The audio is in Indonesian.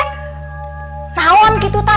tidak seperti kamu gitu kan